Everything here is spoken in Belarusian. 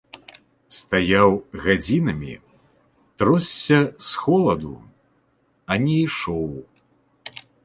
Стаяў гадзінамі, тросся з холаду, а не ішоў.